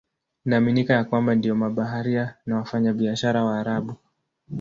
Inaaminika ya kwamba ndio mabaharia na wafanyabiashara Waarabu.